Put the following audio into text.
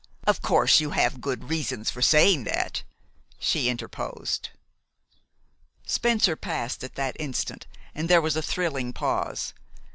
"Of course you have good reasons for saying that?" she interposed. Spencer passed at that instant, and there was a thrilling pause.